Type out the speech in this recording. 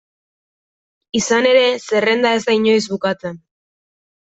Izan ere, zerrenda ez da inoiz bukatzen.